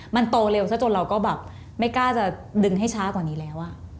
มันโตเร็วซะจนเราก็แบบไม่กล้าจะดึงให้ช้ากว่านี้แล้ว